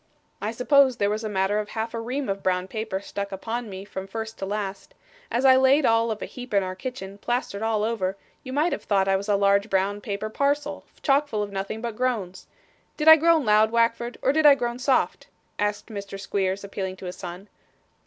I suppose there was a matter of half a ream of brown paper stuck upon me, from first to last. As I laid all of a heap in our kitchen, plastered all over, you might have thought I was a large brown paper parcel, chock full of nothing but groans. Did I groan loud, Wackford, or did I groan soft?' asked Mr. Squeers, appealing to his son.